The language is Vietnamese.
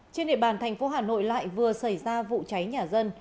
trên địa bàn thành phố hà nội lại vừa xảy ra vụ cháy nhà dân